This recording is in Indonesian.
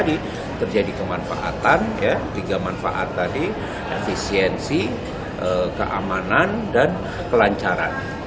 terjadi kemanfaatan ya tiga manfaat tadi efisiensi keamanan dan kelancaran